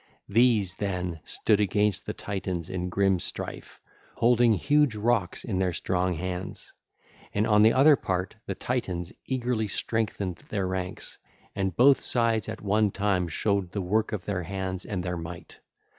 These, then, stood against the Titans in grim strife, holding huge rocks in their strong hands. And on the other part the Titans eagerly strengthened their ranks, and both sides at one time showed the work of their hands and their might.